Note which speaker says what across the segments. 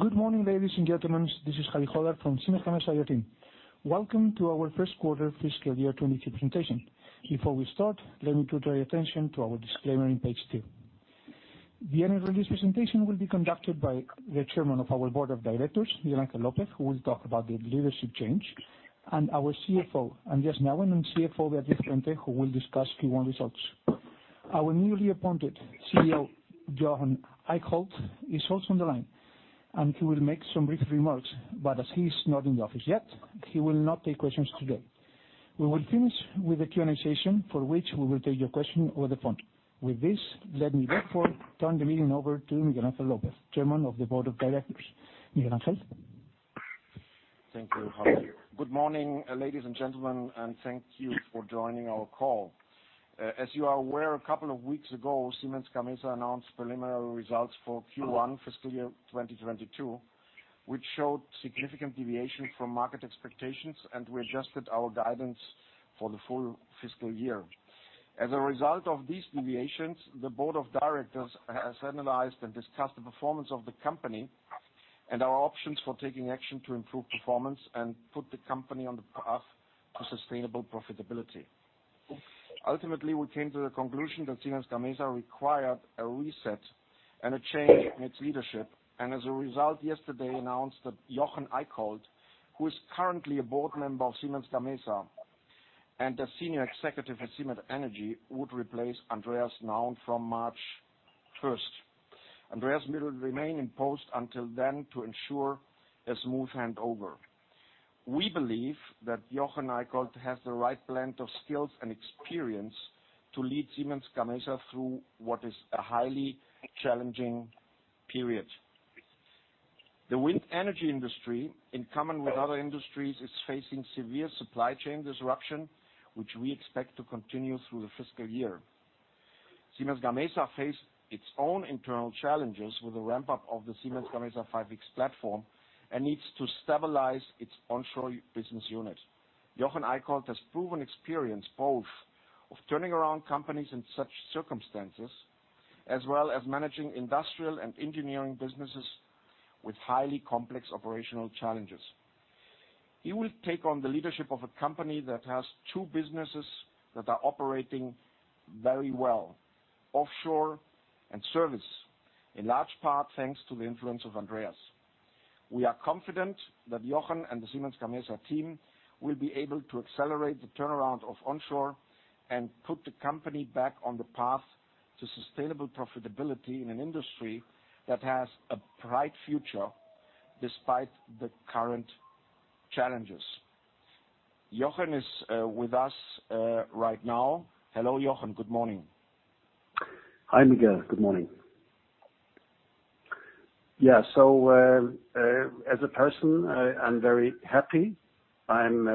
Speaker 1: Good morning, ladies and gentlemen. This is Javier Jódar from Siemens Gamesa team. Welcome to our first quarter fiscal year 2022 presentation. Before we start, let me draw your attention to our disclaimer on page two. The earnings release presentation will be conducted by the Chairman of our Board of Directors, Miguel Ángel López, who will talk about the leadership change, and our CEO, Andreas Nauen, and CFO Beatriz Puente, who will discuss Q1 results. Our newly appointed CEO, Jochen Eickholt, is also on the line, and he will make some brief remarks, but as he is not in the office yet, he will not take questions today. We will finish with the Q&A session, for which we will take your question over the phone. With this, let me therefore turn the meeting over to Miguel Ángel López, chairman of the board of directors. Miguel Ángel?
Speaker 2: Thank you, Javier. Good morning, ladies and gentlemen, and thank you for joining our call. As you are aware, a couple of weeks ago, Siemens Gamesa announced preliminary results for Q1 fiscal year 2022, which showed significant deviation from market expectations, and we adjusted our guidance for the full fiscal year. As a result of these deviations, the board of directors has analyzed and discussed the performance of the company and our options for taking action to improve performance and put the company on the path to sustainable profitability. Ultimately, we came to the conclusion that Siemens Gamesa required a reset and a change in its leadership, and as a result, yesterday announced that Jochen Eickholt, who is currently a board member of Siemens Gamesa and a senior executive at Siemens Energy, would replace Andreas Nauen from March 1st. Andreas will remain in post until then to ensure a smooth handover. We believe that Jochen Eickholt has the right blend of skills and experience to lead Siemens Gamesa through what is a highly challenging period. The wind energy industry, in common with other industries, is facing severe supply chain disruption, which we expect to continue through the fiscal year. Siemens Gamesa faced its own internal challenges with the ramp-up of the Siemens Gamesa 5.X platform and needs to stabilize its onshore business unit. Jochen Eickholt has proven experience both of turning around companies in such circumstances, as well as managing industrial and engineering businesses with highly complex operational challenges. He will take on the leadership of a company that has two businesses that are operating very well, offshore and service, in large part thanks to the influence of Andreas. We are confident that Jochen and the Siemens Gamesa team will be able to accelerate the turnaround of onshore and put the company back on the path to sustainable profitability in an industry that has a bright future despite the current challenges. Jochen is with us right now. Hello, Jochen. Good morning.
Speaker 3: Hi, Miguel. Good morning. Yeah. As a person, I'm very happy. I'm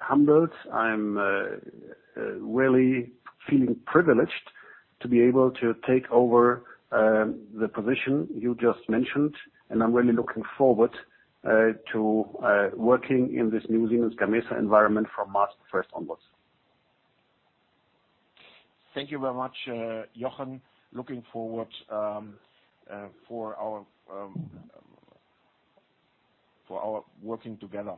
Speaker 3: humbled. I'm really feeling privileged to be able to take over the position you just mentioned, and I'm really looking forward to working in this new Siemens Gamesa environment from March 1st onwards.
Speaker 2: Thank you very much, Jochen. Looking forward for our working together.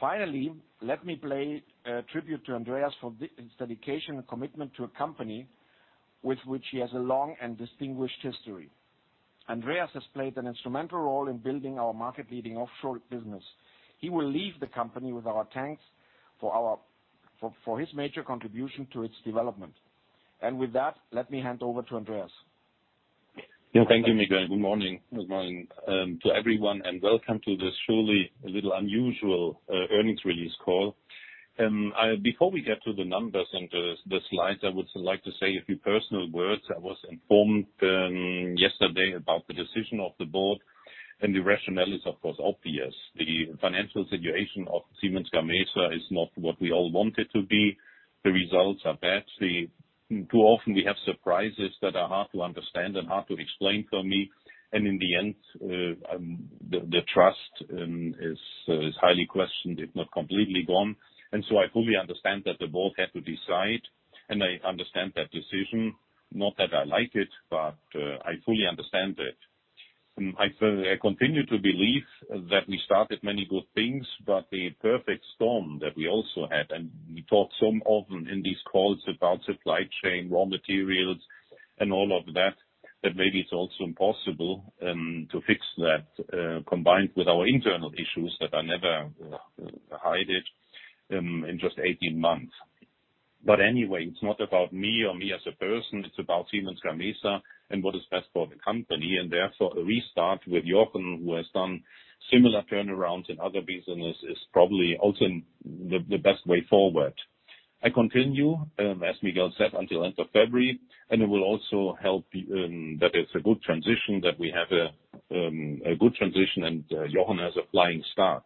Speaker 2: Finally, let me pay a tribute to Andreas for his dedication and commitment to a company with which he has a long and distinguished history. Andreas has played an instrumental role in building our market-leading offshore business. He will leave the company with our thanks for his major contribution to its development. With that, let me hand over to Andreas.
Speaker 4: Yeah. Thank you, Miguel. Good morning. Good morning to everyone, and welcome to this surely a little unusual earnings release call. Before we get to the numbers and the slides, I would like to say a few personal words. I was informed yesterday about the decision of the board and the rationales, of course, obvious. The financial situation of Siemens Gamesa is not what we all want it to be. The results are bad. Too often we have surprises that are hard to understand and hard to explain for me, and in the end, the trust is highly questioned, if not completely gone. I fully understand that the board had to decide, and I understand that decision. Not that I like it, but I fully understand it. I continue to believe that we started many good things, but the perfect storm that we also had, and we talked so often in these calls about supply chain, raw materials, and all of that maybe it's also impossible to fix that combined with our internal issues that I never hide it in just 18 months. Anyway, it's not about me as a person, it's about Siemens Gamesa and what is best for the company, and therefore a restart with Jochen, who has done similar turnarounds in other businesses, is probably also the best way forward. I continue, as Miguel said, until end of February, and I will also help that it's a good transition, that we have a good transition and Jochen has a flying start.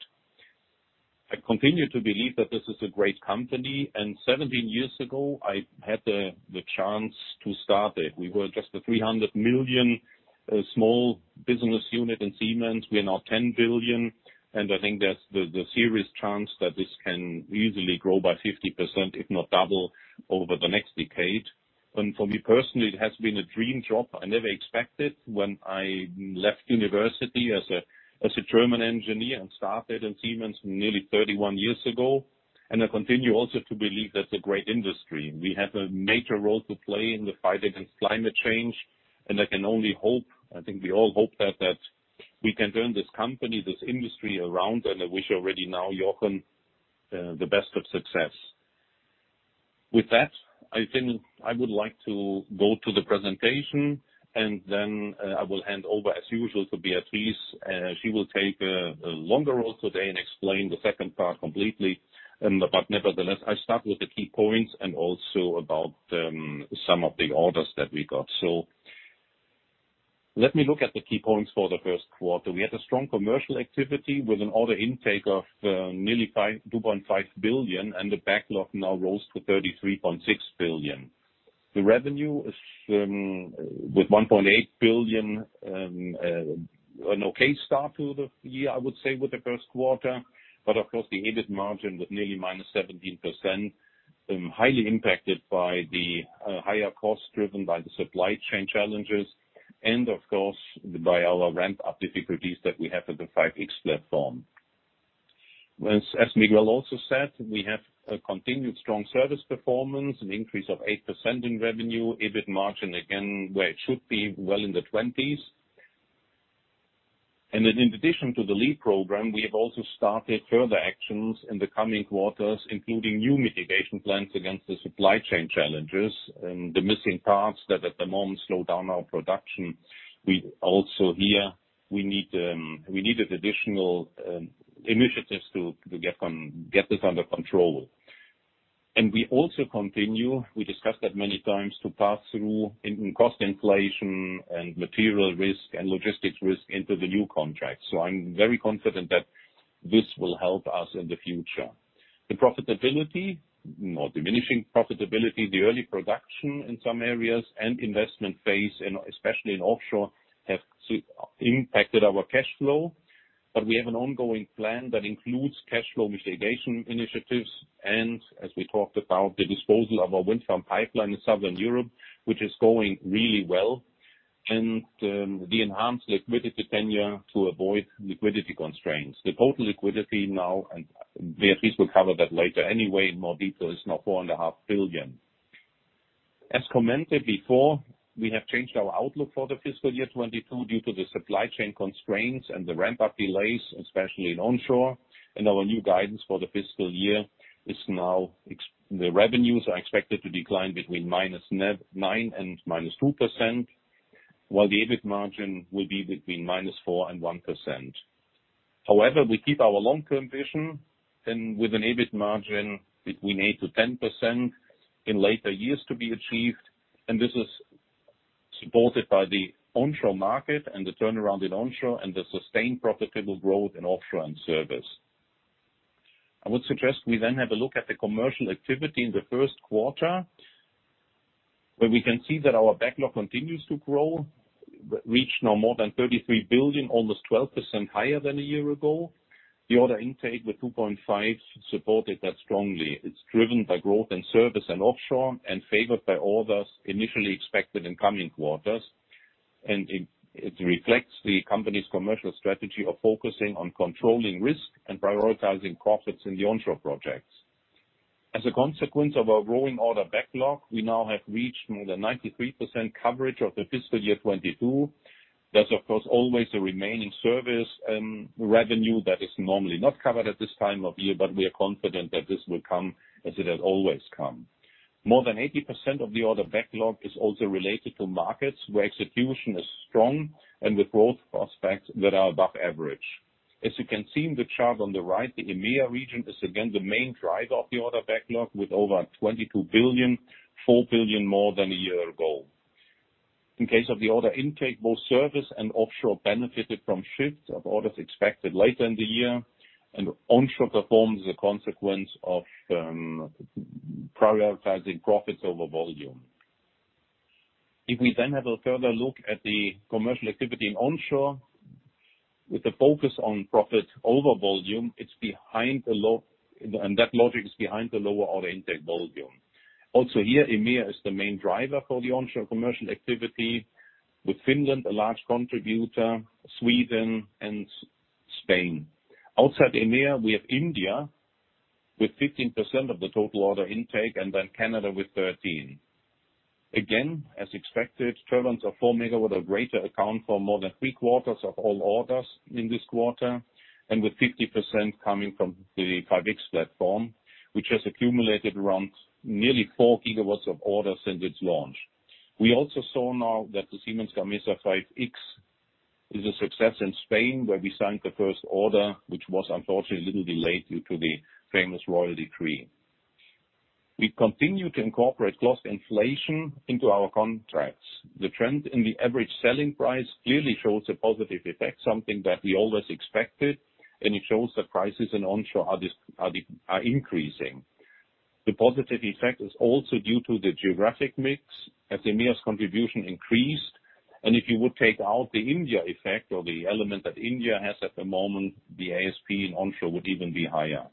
Speaker 4: I continue to believe that this is a great company, and 17 years ago, I had the chance to start it. We were just a 300 million small business unit in Siemens. We are now 10 billion. I think there's the serious chance that this can easily grow by 50%, if not double, over the next decade. For me personally, it has been a dream job. I never expected when I left university as a German engineer and started in Siemens nearly 31 years ago. I continue also to believe that's a great industry. We have a major role to play in the fight against climate change, and I can only hope, I think we all hope that we can turn this company, this industry around, and I wish already now Jochen the best of success. With that, I think I would like to go to the presentation, and then I will hand over, as usual, to Beatriz. She will take a longer role today and explain the second part completely. Nevertheless, I start with the key points and also about some of the orders that we got. Let me look at the key points for the first quarter. We had a strong commercial activity with an order intake of nearly 2.5 billion, and the backlog now rose to 33.6 billion. The revenue is with 1.8 billion, an okay start to the year, I would say, with the first quarter. Of course, the EBIT margin with nearly -17%, highly impacted by the higher costs driven by the supply chain challenges and of course, by our ramp-up difficulties that we have at the 5.X platform. As Miguel also said, we have a continued strong service performance, an 8% increase in revenue, EBIT margin again, where it should be, well in the 20s. In addition to the LEAP program, we have also started further actions in the coming quarters, including new mitigation plans against the supply chain challenges and the missing parts that at the moment slow down our production. We also needed additional initiatives to get this under control. We also continue, as we discussed many times, to pass through in-cost inflation and material risk and logistics risk into the new contract. I'm very confident that this will help us in the future. The profitability, or diminishing profitability, the early production in some areas, and investment phase, and especially in offshore, have impacted our cash flow. We have an ongoing plan that includes cash flow mitigation initiatives, and as we talked about, the disposal of our wind farm pipeline in Southern Europe, which is going really well, and the enhanced liquidity tenure to avoid liquidity constraints. The total liquidity now, and Beatriz will cover that later anyway in more detail, is now 4.5 billion. As commented before, we have changed our outlook for the fiscal year 2022 due to the supply chain constraints and the ramp-up delays, especially in onshore. Our new guidance for the fiscal year is now ex The revenues are expected to decline between -9% and -2%, while the EBIT margin will be between -4% and 1%. However, we keep our long-term vision, and with an EBIT margin between 8%-10% in later years to be achieved. This is supported by the onshore market and the turnaround in onshore and the sustained profitable growth in offshore and service. I would suggest we then have a look at the commercial activity in the first quarter, where we can see that our backlog continues to grow, reach now more than 33 billion, almost 12% higher than a year ago. The order intake with 2.5 billion supported that strongly. It's driven by growth in service and offshore and favored by orders initially expected in coming quarters. It reflects the company's commercial strategy of focusing on controlling risk and prioritizing profits in the onshore projects. As a consequence of our growing order backlog, we now have reached more than 93% coverage of the fiscal year 2022. There's, of course, always a remaining service revenue that is normally not covered at this time of year, but we are confident that this will come as it has always come. More than 80% of the order backlog is also related to markets where execution is strong and with growth prospects that are above average. As you can see in the chart on the right, the EMEA region is again the main driver of the order backlog with over 22 billion, 4 billion more than a year ago. In case of the order intake, both service and offshore benefited from shifts of orders expected later in the year, and onshore performs as a consequence of prioritizing profits over volume. If we then have a further look at the commercial activity in onshore, with the focus on profit over volume, and that logic is behind the lower order intake volume. Also here, EMEA is the main driver for the onshore commercial activity, with Finland a large contributor, Sweden and Spain. Outside EMEA, we have India with 15% of the total order intake and then Canada with 13%. Again, as expected, turbines of 4 MW or greater account for more than three-quarters of all orders in this quarter, and with 50% coming from the 5.X platform, which has accumulated around nearly 4 GW of orders since its launch. We also saw now that the Siemens Gamesa 5.X is a success in Spain, where we signed the first order, which was unfortunately a little bit late due to the famous Royal Decree. We continue to incorporate cost inflation into our contracts. The trend in the average selling price clearly shows a positive effect, something that we always expected, and it shows the prices in onshore are increasing. The positive effect is also due to the geographic mix as EMEA's contribution increased. If you would take out the India effect or the element that India has at the moment, the ASP in onshore would even be higher.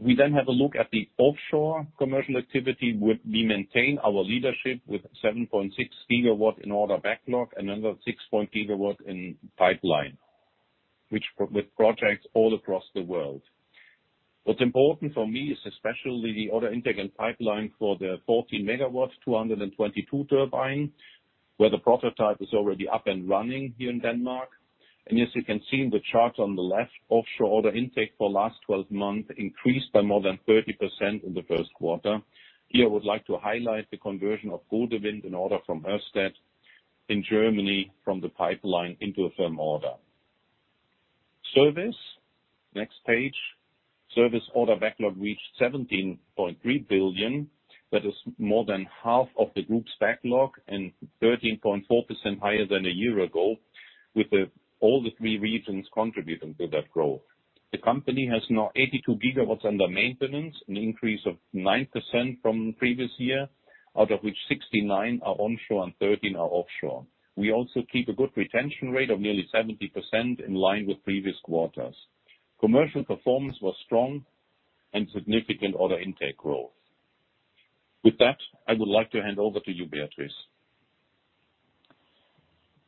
Speaker 4: We have a look at the offshore commercial activity. We maintain our leadership with 7.6 GW in order backlog, another 6 GW in pipeline, with projects all across the world. What's important for me is especially the order intake and pipeline for the 14-MW 222 turbine, where the prototype is already up and running here in Denmark. As you can see in the chart on the left, offshore order intake for last 12 months increased by more than 30% in the first quarter. Here, I would like to highlight the conversion of Borkum Riffgrund order from Ørsted in Germany from the pipeline into a firm order. Service, next page. Service order backlog reached 17.3 billion. That is more than half of the group's backlog and 13.4% higher than a year ago, with all the three regions contributing to that growth. The company has now 82 GW under maintenance, an increase of 9% from previous year. Out of which 69 GW are onshore and 13 GW are offshore. We also keep a good retention rate of nearly 70% in line with previous quarters. Commercial performance was strong and significant order intake growth. With that, I would like to hand over to you, Beatriz.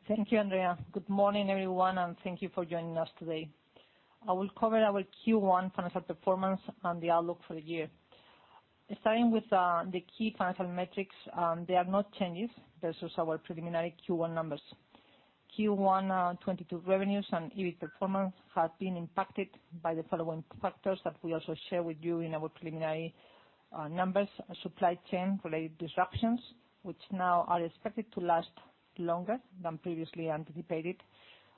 Speaker 5: Thank you, Andreas. Good morning, everyone, and thank you for joining us today. I will cover our Q1 financial performance and the outlook for the year. Starting with the key financial metrics, there are no changes versus our preliminary Q1 numbers. Q1 2022 revenues and EBIT performance have been impacted by the following factors that we also share with you in our preliminary numbers. Supply chain-related disruptions, which now are expected to last longer than previously anticipated,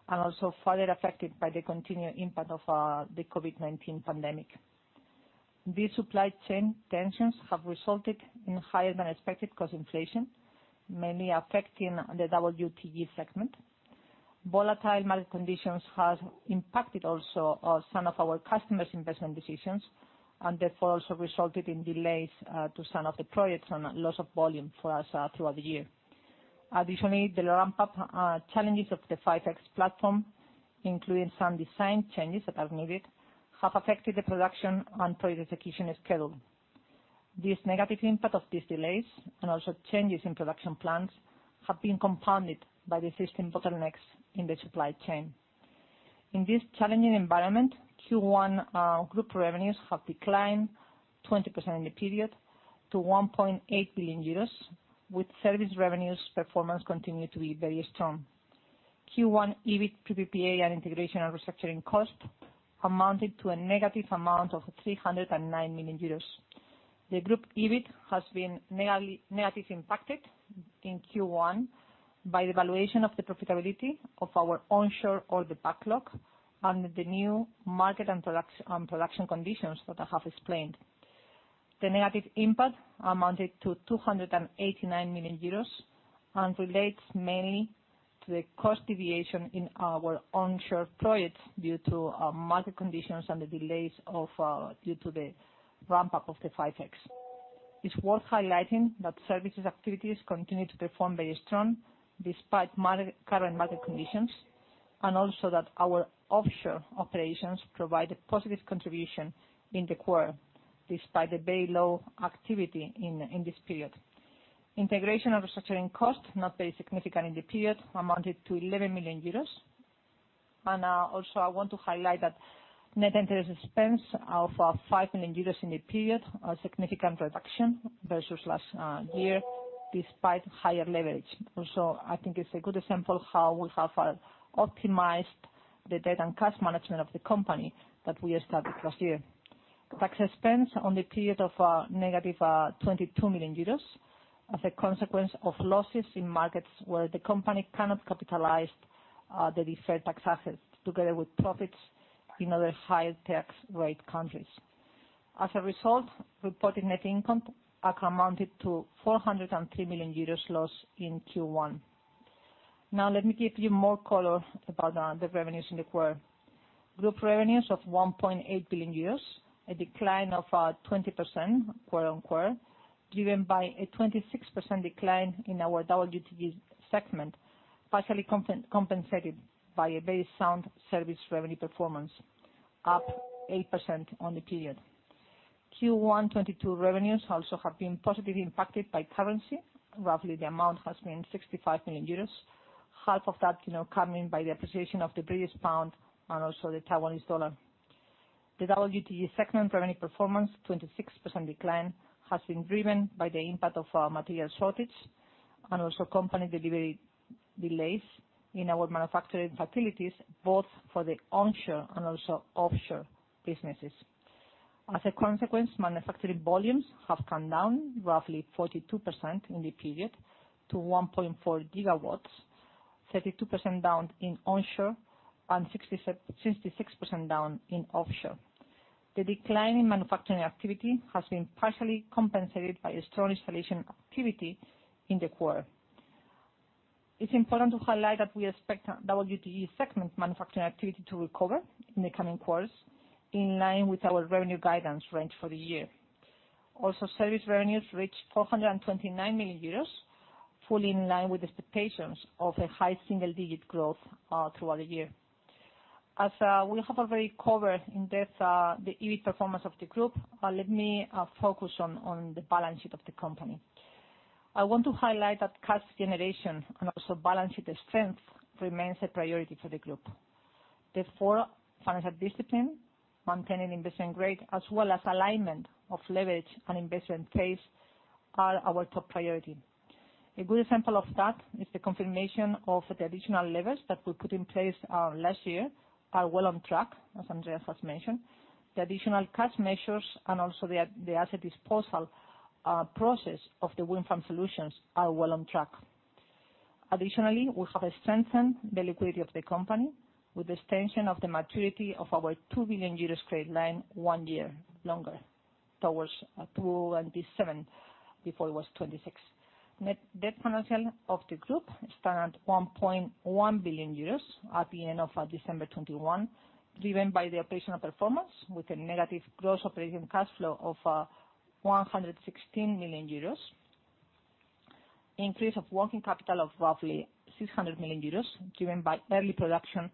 Speaker 5: and also further affected by the continued impact of the COVID-19 pandemic. These supply chain tensions have resulted in higher than expected cost inflation, mainly affecting the WTG segment. Volatile market conditions has impacted also some of our customers' investment decisions, and therefore also resulted in delays to some of the projects and loss of volume for us throughout the year. Additionally, the ramp-up challenges of the 5.X platform, including some design changes that are needed, have affected the production and project execution schedule. This negative impact of these delays and also changes in production plans have been compounded by the existing bottlenecks in the supply chain. In this challenging environment, Q1 group revenues have declined 20% in the period to 1.8 billion euros, with service revenues performance continue to be very strong. Q1 EBIT before PPA and integration and restructuring costs amounted to a negative amount of 309 million euros. The group EBIT has been negative impacted in Q1 by the valuation of the profitability of our onshore order backlog under the new market and production conditions that I have explained. The negative impact amounted to 289 million euros and relates mainly to the cost deviation in our onshore projects due to market conditions and the delays due to the ramp-up of the 5.X. It's worth highlighting that services activities continue to perform very strong despite current market conditions, and also that our offshore operations provided positive contribution in the quarter, despite the very low activity in this period. Integration and restructuring costs, not very significant in the period, amounted to 11 million euros. Also, I want to highlight that net interest expense of 5 million euros in the period, a significant reduction versus last year despite higher leverage. Also, I think it's a good example how we have optimized the debt and cash management of the company that we established last year. Tax expense on the period of -22 million euros as a consequence of losses in markets where the company cannot capitalize the deferred tax assets together with profits in other higher-tax-rate countries. As a result, reported net income amounted to 403 million euros loss in Q1. Now let me give you more color about the revenues in the quarter. Group revenues of 1.8 billion euros, a decline of 20% quarter-on-quarter, driven by a 26% decline in our WTG segment, partially compensated by a very sound service revenue performance, up 8% on the period. Q1 2022 revenues also have been positively impacted by currency. Roughly the amount has been 65 million euros, half of that, you know, coming by the appreciation of the British pound and also the Taiwanese dollar. The WTG segment revenue performance, 26% decline, has been driven by the impact of material shortage and also company delivery delays in our manufacturing facilities, both for the onshore and also offshore businesses. As a consequence, manufacturing volumes have come down roughly 42% in the period to 1.4 GW, 32% down in onshore and 66% down in offshore. The decline in manufacturing activity has been partially compensated by a strong installation activity in the quarter. It's important to highlight that we expect our WTG segment manufacturing activity to recover in the coming quarters, in line with our revenue guidance range for the year. Also, service revenues reached 429 million euros, fully in line with expectations of a high-single-digit growth throughout the year. As we have already covered in depth, the EBIT performance of the group, let me focus on the balance sheet of the company. I want to highlight that cash generation and also balance sheet strength remains a priority for the group. Therefore, financial discipline, maintaining investment grade, as well as alignment of leverage and investment phase are our top priority. A good example of that is the confirmation of the additional levers that we put in place last year, are well on track, as Andreas has mentioned. The additional cash measures and also the asset disposal process of the Wind Farm Solutions are well on track. Additionally, we have strengthened the liquidity of the company with the extension of the maturity of our 2 billion euros credit line one year longer, towards 2027, before it was 2026. Net debt financials of the group stand at 1.1 billion euros at the end of December 2021, driven by the operational performance with a negative gross operating cash flow of 116 million euros. Increase of working capital of roughly 600 million euros, driven by early production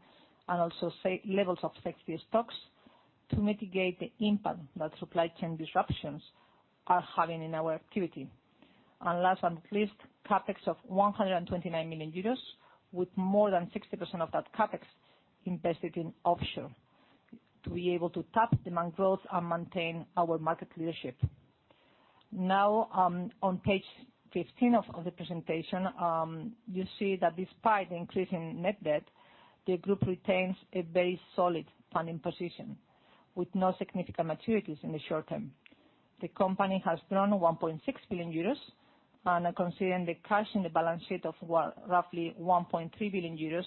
Speaker 5: and also safe levels of safety stocks to mitigate the impact that supply chain disruptions are having in our activity. Last but not least, CapEx of 129 million euros, with more than 60% of that CapEx invested in offshore to be able to tap demand growth and maintain our market leadership. Now, on page 15 of the presentation, you see that despite the increase in net debt, the group retains a very solid funding position, with no significant maturities in the short term. The company has grown 1.6 billion euros, and considering the cash in the balance sheet of roughly 1.3 billion euros,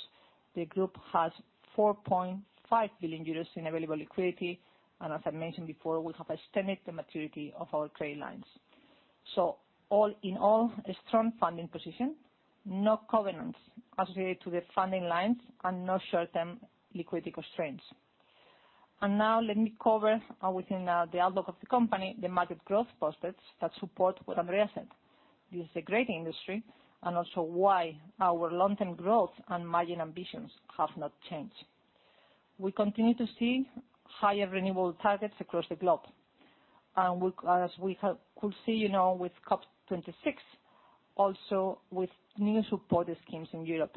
Speaker 5: the group has 4.5 billion euros in available liquidity. As I mentioned before, we have extended the maturity of our credit lines. All in all, a strong funding position, no covenants associated to the funding lines, and no short-term liquidity constraints. Now let me cover within the outlook of the company, the market growth prospects that support what Andreas said. This is a great industry, and also why our long-term growth and margin ambitions have not changed. We continue to see higher renewable targets across the globe, and we, as we could see, you know, with COP26, also with new support schemes in Europe.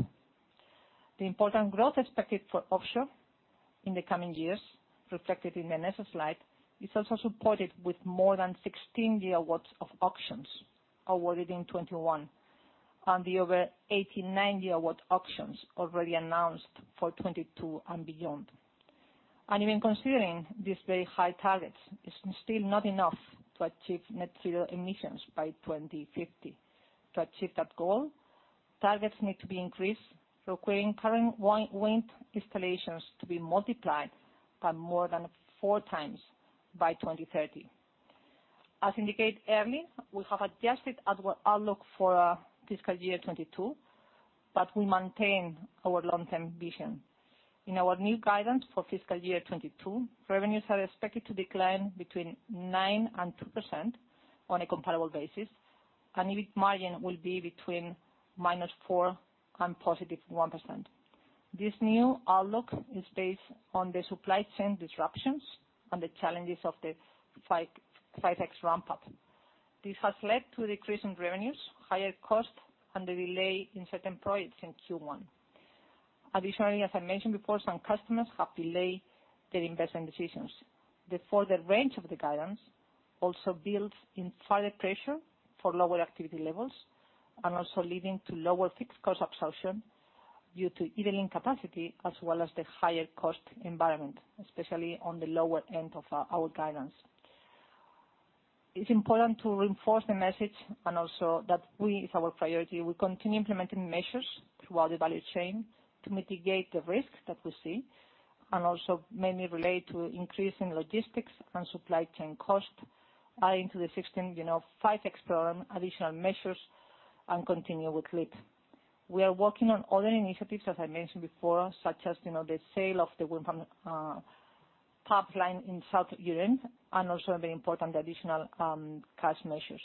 Speaker 5: The important growth expected for offshore in the coming years, reflected in presentation slide, is also supported with more than 16 GW of auctions awarded in 2021, and the over 89-GW auctions already announced for 2022 and beyond. Even considering these very high targets, it's still not enough to achieve net zero emissions by 2050. To achieve that goal, targets need to be increased, requiring current wind installations to be multiplied by more than four times by 2030. As indicated earlier, we have adjusted our outlook for FY 2022, but we maintain our long-term vision. In our new guidance for FY 2022, revenues are expected to decline between 9% and 2% on a comparable basis, and EBIT margin will be between -4% and +1%. This new outlook is based on the supply chain disruptions and the challenges of the 5.X ramp-up. This has led to a decrease in revenues, higher costs, and a delay in certain projects in Q1. Additionally, as I mentioned before, some customers have delayed their investment decisions. Therefore, the range of the guidance also builds in further pressure for lower activity levels and also leading to lower fixed-cost absorption due to idling capacity, as well as the higher cost environment, especially on the lower end of our guidance. It's important to reinforce the message and also that it's our priority, we continue implementing measures throughout the value chain to mitigate the risks that we see, and also mainly related to increase in logistics and supply chain costs, adding to the existing 5.X program additional measures, and continue with LEAP. We are working on other initiatives, as I mentioned before, such as, you know, the sale of the wind farm pipeline in Southern Europe, and also very important, the additional cash measures.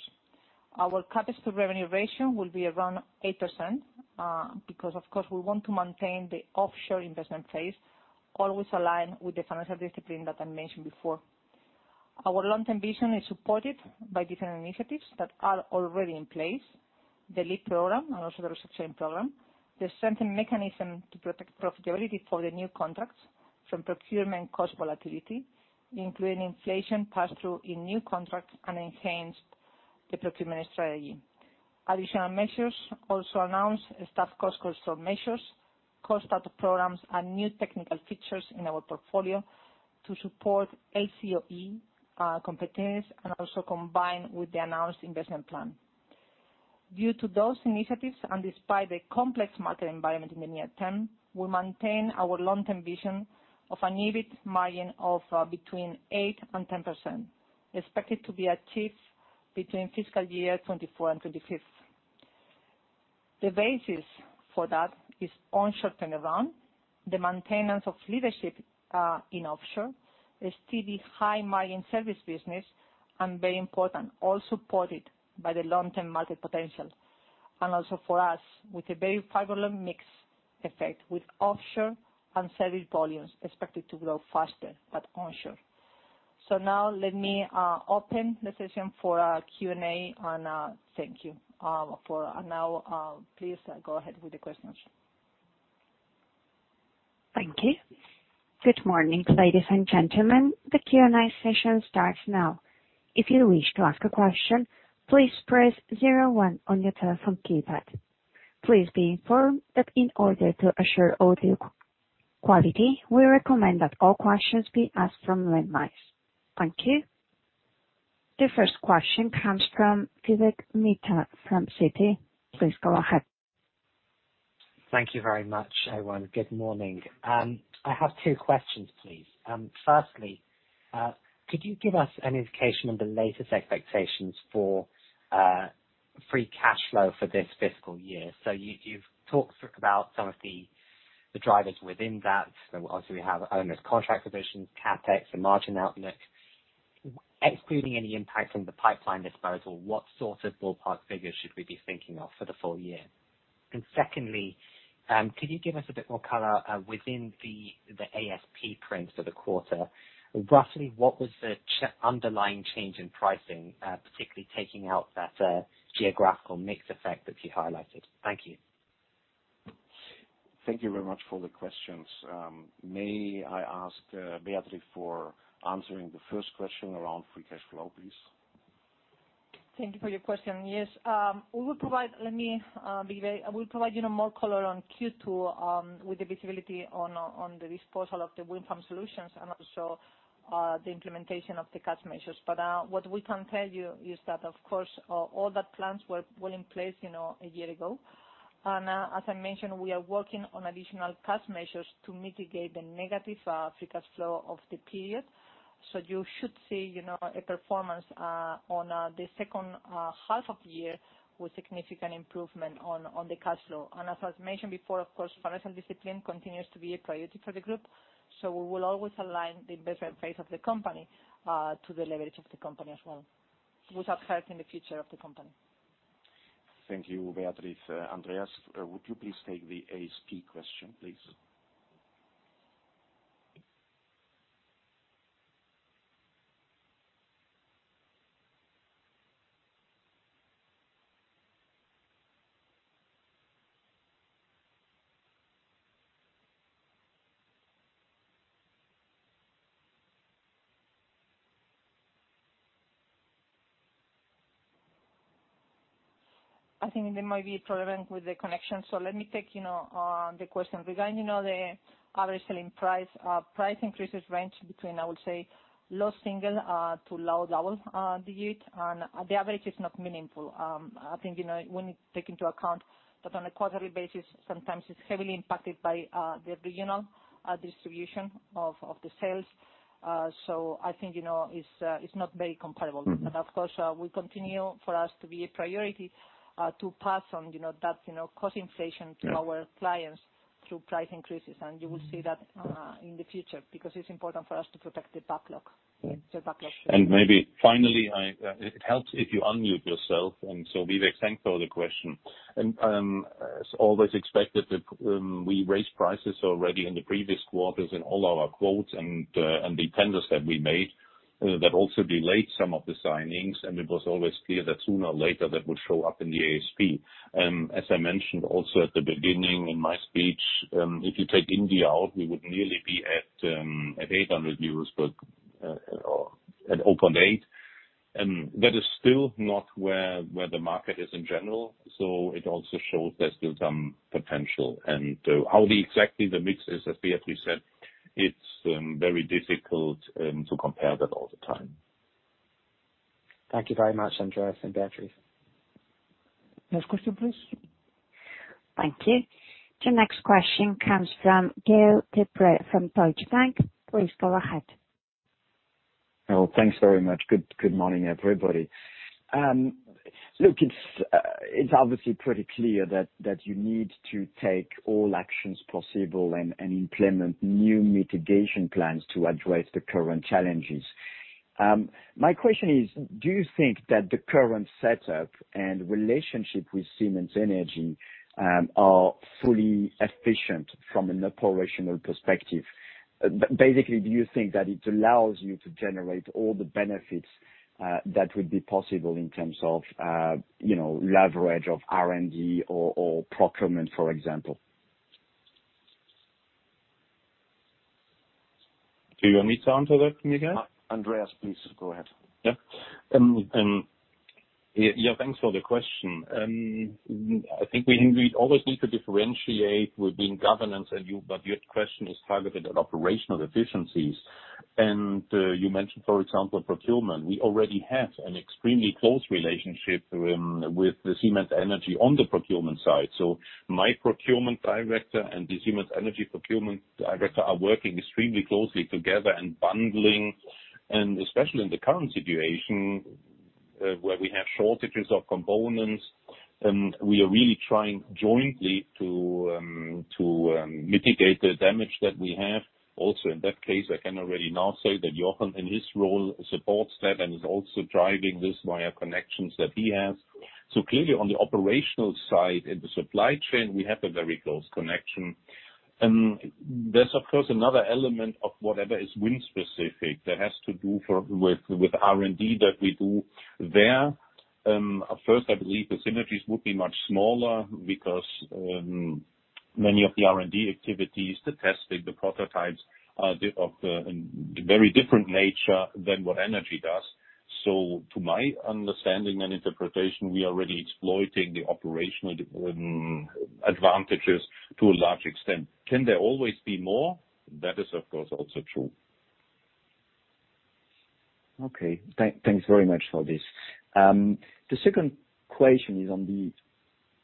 Speaker 5: Our CapEx to revenue ratio will be around 8%, because of course, we want to maintain the offshore investment phase, always aligned with the financial discipline that I mentioned before. Our long-term vision is supported by different initiatives that are already in place, the LEAP program, and also the [Research Chain] program. The strengthened mechanism to protect profitability for the new contracts from procurement cost volatility, including inflation pass-through in new contracts and enhanced the procurement strategy. Additional measures also announced staff cost control measures, cost-out programs, and new technical features in our portfolio to support LCOE competitiveness, and also combined with the announced investment plan. Due to those initiatives, and despite the complex market environment in the near term, we maintain our long-term vision of an EBIT margin of between 8% and 10%, expected to be achieved between FY 2024 and 2025. The basis for that is onshore turnaround, the maintenance of leadership in offshore, a steady high-margin service business, and very important, all supported by the long-term market potential. Also for us, with a very favorable mix effect, with offshore and service volumes expected to grow faster than onshore. Now let me open the session for Q&A. Thank you for now. Please go ahead with the questions.
Speaker 6: Thank you. Good morning, ladies and gentlemen. The Q&A session starts now. If you wish to ask a question, please press zero one on your telephone keypad. Please be informed that in order to assure audio quality, we recommend that all questions be asked from landlines. Thank you. The first question comes from Vivek Midha from Citi. Please go ahead.
Speaker 7: Thank you very much, everyone. Good morning. I have two questions, please. First, could you give us an indication on the latest expectations for free cash flow for this fiscal year? You've talked about some of the drivers within that. Obviously, we have onshore contract positions, CapEx and margin outlook. Excluding any impact from the pipeline disposal, what sort of ballpark figure should we be thinking of for the full year? Secondly, could you give us a bit more color within the ASP prints for the quarter? Roughly, what was the underlying change in pricing, particularly taking out that geographical mix effect that you highlighted? Thank you.
Speaker 4: Thank you very much for the questions. May I ask, Beatriz for answering the first question around free cash flow, please?
Speaker 5: Thank you for your question. Yes. Vivek, I will provide you more color on Q2 with the visibility on the disposal of the Wind Farm Solutions and also the implementation of the cash measures. What we can tell you is that, of course, all the plans were in place, you know, a year ago. As I mentioned, we are working on additional cash measures to mitigate the negative free cash flow of the period. You should see, you know, a performance on the second half of the year with significant improvement on the cash flow. As I mentioned before, of course, financial discipline continues to be a priority for the group, so we will always align the investment phase of the company, to the leverage of the company as well, without hurting the future of the company.
Speaker 2: Thank you, Beatriz. Andreas, would you please take the ASP question, please?
Speaker 5: I think there might be a problem with the connection, so let me take, you know, the question. Regarding, you know, the average selling price increases range between, I would say, low single to low double digits, and the average is not meaningful. I think, you know, when you take into account that on a quarterly basis, sometimes it's heavily impacted by the regional distribution of the sales. I think, you know, it's not very comparable.
Speaker 4: Mm-hmm.
Speaker 5: Of course, we continue for us to be a priority, to pass on, you know, that, you know, cost inflation.
Speaker 4: Yeah.
Speaker 5: to our clients through price increases. You will see that in the future, because it's important for us to protect the backlog.
Speaker 4: Mm-hmm.
Speaker 5: The backlog.
Speaker 4: It helps if you unmute yourself. Vivek, thanks for the question. As always expected that we raised prices already in the previous quarters in all our quotes and the tenders that we made that also delayed some of the signings, and it was always clear that sooner or later, that would show up in the ASP. As I mentioned also at the beginning in my speech, if you take India out, we would nearly be at 800 euros, but around eight. That is still not where the market is in general, so it also shows there's still some potential. How exactly the mix is, as Beatriz said, it's very difficult to compare that all the time.
Speaker 7: Thank you very much, Andreas and Beatriz.
Speaker 4: Next question, please.
Speaker 6: Thank you. The next question comes from Gael de Bray from Deutsche Bank. Please go ahead.
Speaker 8: Well, thanks very much. Good morning, everybody. Look, it's obviously pretty clear that you need to take all actions possible and implement new mitigation plans to address the current challenges. My question is, do you think that the current setup and relationship with Siemens Energy are fully efficient from an operational perspective? Basically, do you think that it allows you to generate all the benefits that would be possible in terms of, you know, leverage of R&D or procurement, for example?
Speaker 4: Do you want me to answer that, Miguel?
Speaker 2: Andreas, please go ahead.
Speaker 4: Yeah. Yeah. Thanks for the question. I think we always need to differentiate within governance and you, but your question is targeted at operational efficiencies. You mentioned, for example, procurement. We already have an extremely close relationship with Siemens Energy on the procurement side. My procurement director and the Siemens Energy procurement director are working extremely closely together and bundling. Especially in the current situation where we have shortages of components, and we are really trying jointly to mitigate the damage that we have. Also, in that case, I can already now say that Jochen, in his role, supports that and is also driving this via connections that he has. Clearly, on the operational side, in the supply chain, we have a very close connection. There's, of course, another element of whatever is wind specific that has to do with R&D that we do there. At first, I believe the synergies would be much smaller because many of the R&D activities, the testing, the prototypes are of a very different nature than what energy does. To my understanding and interpretation, we are really exploiting the operational advantages to a large extent. Can there always be more? That is, of course, also true.
Speaker 8: Okay. Thanks very much for this. The second question is on the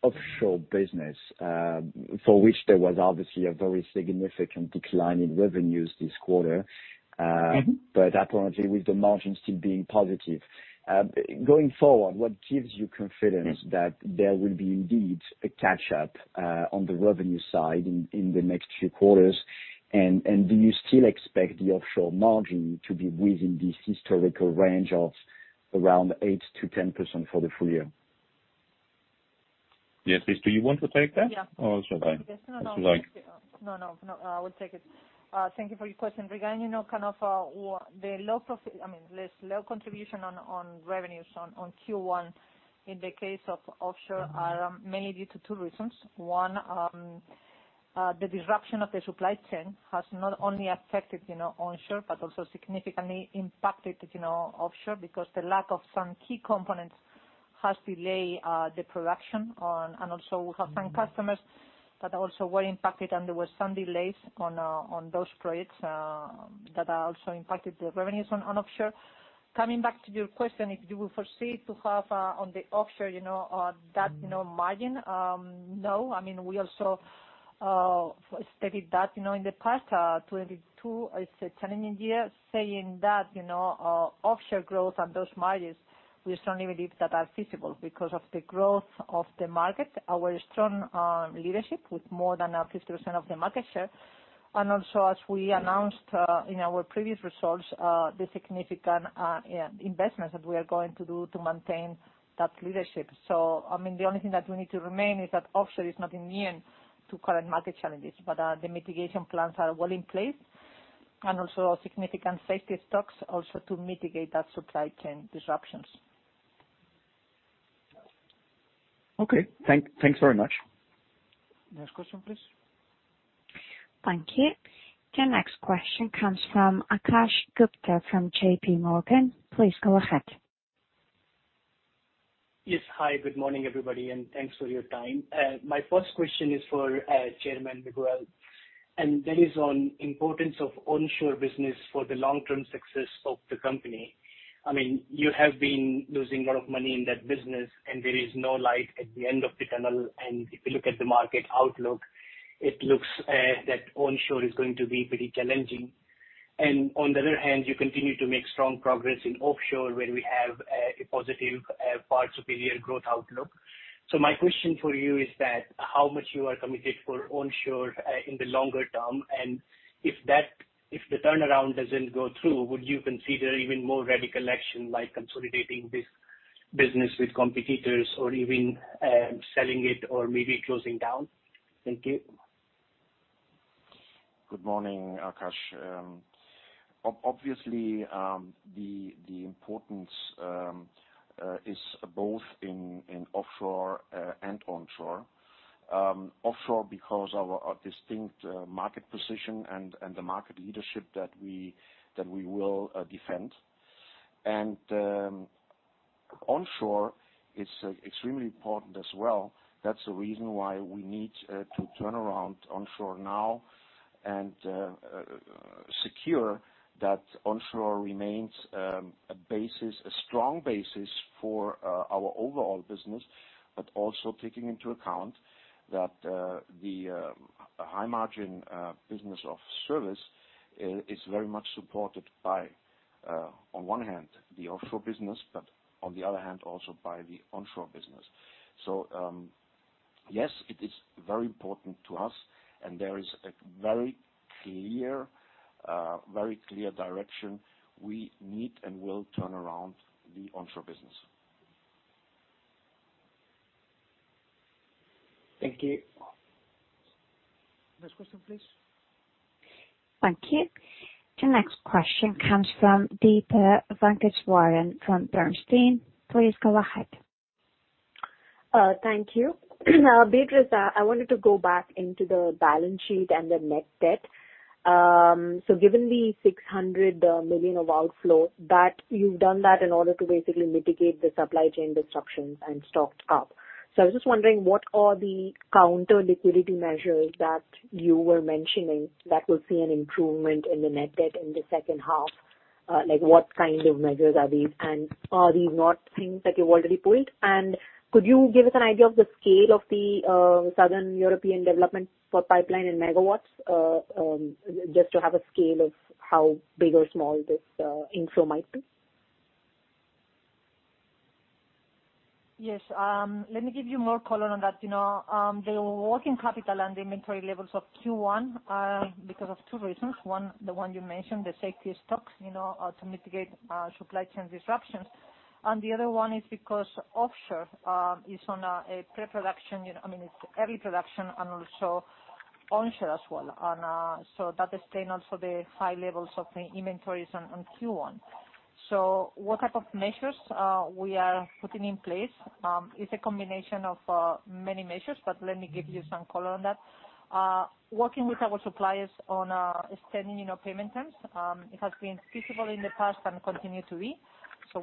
Speaker 8: offshore business, for which there was obviously a very significant decline in revenues this quarter.
Speaker 4: Mm-hmm.
Speaker 8: Apparently with the margins still being positive. Going forward, what gives you confidence that there will be indeed a catch up on the revenue side in the next few quarters? Do you still expect the offshore margin to be within this historical range of around 8%-10% for the full year?
Speaker 4: Yes. Beatriz, do you want to take that?
Speaker 5: Yeah.
Speaker 4: Shall I?
Speaker 5: Yes. No, no.
Speaker 4: As you like.
Speaker 5: No, no. I will take it. Thank you for your question. Regarding, you know, kind of, the low contribution on revenues on Q1 in the case of offshore are mainly due to two reasons. One, the disruption of the supply chain has not only affected, you know, onshore, but also significantly impacted, you know, offshore because the lack of some key components has delayed the production on. Also we have some customers that also were impacted, and there was some delays on those projects that also impacted the revenues on offshore. Coming back to your question, if you will foresee to have on the offshore, you know, that, you know, margin, no. I mean, we also stated that, you know, in the past, 2022 is a challenging year, saying that, you know, offshore growth and those margins, we strongly believe that are feasible because of the growth of the market, our strong leadership with more than 50% of the market share. Also, as we announced in our previous results, the significant investments that we are going to do to maintain that leadership. I mean, the only thing that we need to remain is that offshore is not immune to current market challenges, but the mitigation plans are well in place, and also significant safety stocks also to mitigate that supply chain disruptions.
Speaker 8: Okay. Thanks very much.
Speaker 4: Next question, please.
Speaker 6: Thank you. The next question comes from Akash Gupta from JPMorgan. Please go ahead.
Speaker 9: Yes. Hi, good morning, everybody, and thanks for your time. My first question is for Chairman Miguel, and that is on importance of onshore business for the long-term success of the company. I mean, you have been losing a lot of money in that business, and there is no light at the end of the tunnel. If you look at the market outlook, it looks that onshore is going to be pretty challenging. On the other hand, you continue to make strong progress in offshore, where we have a positive far superior growth outlook. My question for you is that how much you are committed for onshore, in the longer term, and if the turnaround doesn't go through, would you consider even more radical action, like consolidating this business with competitors or even, selling it or maybe closing down? Thank you.
Speaker 2: Good morning, Akash. Obviously, the importance is both in offshore and onshore, offshore because our distinct market position and the market leadership that we will defend. Onshore is extremely important as well. That's the reason why we need to turn around onshore now and secure that onshore remains a basis, a strong basis for our overall business. Also taking into account that the high margin business of service is very much supported by, on one hand, the offshore business, but on the other hand, also by the onshore business. Yes, it is very important to us, and there is a very clear direction we need and will turn around the onshore business.
Speaker 9: Thank you.
Speaker 4: Next question, please.
Speaker 6: Thank you. The next question comes from Deepa Venkateswaran from Bernstein. Please go ahead.
Speaker 10: Thank you. Beatriz, I wanted to go back into the balance sheet and the net debt. Given the 600 million of outflow that you've done in order to basically mitigate the supply chain disruptions and stocked up. I was just wondering, what are the counter-liquidity measures that you were mentioning that will see an improvement in the net debt in the second half? Like, what kind of measures are these, and are these not things that you've already pulled? Could you give us an idea of the scale of the Southern European development pipeline in megawatts? Just to have a scale of how big or small this inflow might be.
Speaker 5: Yes. Let me give you more color on that. You know, the working capital and inventory levels of Q1 because of two reasons. One, the one you mentioned, the safety stocks, you know, to mitigate supply chain disruptions. The other one is because offshore is on a pre-production, you know, I mean it's early production and also onshore as well. That is staying also the high levels of the inventories on Q1. What type of measures we are putting in place is a combination of many measures, but let me give you some color on that. Working with our suppliers on extending, you know, payment terms, it has been feasible in the past and continue to be.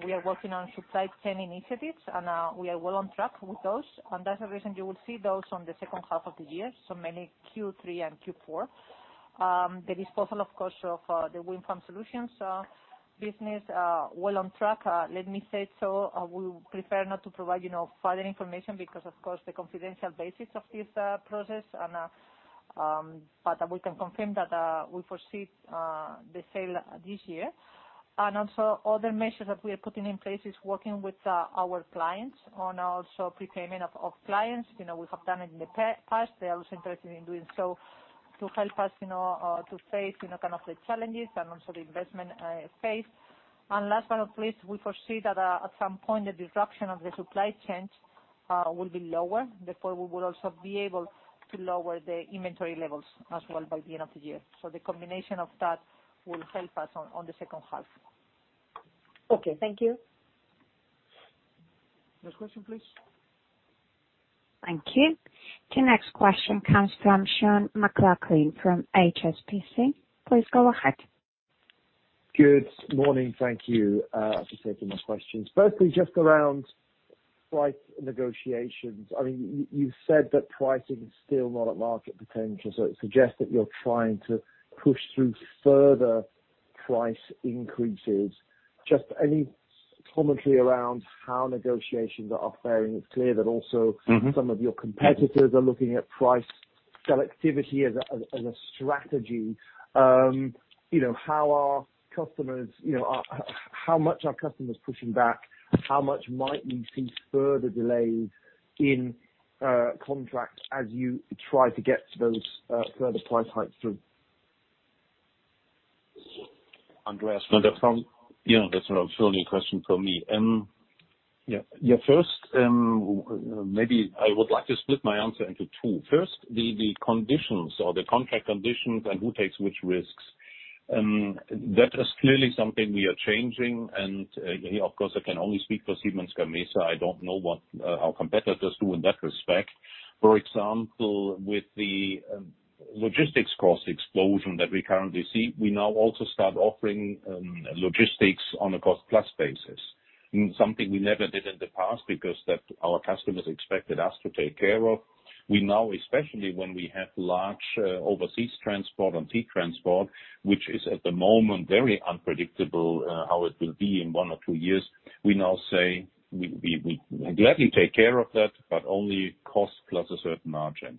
Speaker 5: We are working on supply-chain initiatives, and we are well on track with those. That's the reason you will see those in the second half of the year, mainly Q3 and Q4. The disposal, of course, of the Wind Farm Solutions business, well on track. Let me say so, we would prefer not to provide, you know, further information because, of course, the confidential basis of this process, but we can confirm that we foresee the sale this year. Other measures that we are putting in place is working with our clients on prepayments from clients. You know, we have done it in the past. They are also interested in doing so to help us, you know, to face, you know, kind of the challenges and also the investment phase. Last but not least, we foresee that at some point the disruption of the supply chains will be lower. Therefore we will also be able to lower the inventory levels as well by the end of the year. The combination of that will help us on the second half.
Speaker 10: Okay. Thank you.
Speaker 4: Next question, please.
Speaker 6: Thank you. The next question comes from Sean McLoughlin from HSBC. Please go ahead.
Speaker 11: Good morning. Thank you for taking my questions. Firstly, just around price negotiations. I mean, you've said that pricing is still not at market potential, so it suggests that you're trying to push through further price increases. Just any commentary around how negotiations are faring? It's clear that also-
Speaker 5: Mm-hmm.
Speaker 11: Some of your competitors are looking at price selectivity as a strategy. You know, how much are customers pushing back? How much might we see further delays in contracts as you try to get those further price hikes through?
Speaker 2: Andreas.
Speaker 4: Yeah. That's actually a question for me. First, maybe I would like to split my answer into two. First, the conditions or the contract conditions and who takes which risks. That is clearly something we are changing. Of course, I can only speak for Siemens Gamesa. I don't know what our competitors do in that respect. For example, with the logistics cost explosion that we currently see, we now also start offering logistics on a cost plus basis. Something we never did in the past because that our customers expected us to take care of. We now, especially when we have large overseas transport and sea transport, which is at the moment very unpredictable how it will be in one or two years, we now say we gladly take care of that, but only cost plus a certain margin.